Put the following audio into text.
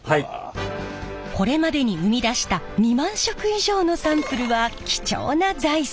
これまでに生み出した２万色以上のサンプルは貴重な財産。